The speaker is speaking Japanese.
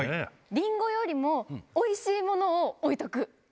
リンゴよりもおいしいものを置いとく。